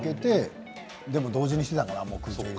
でも同時にしていたかな。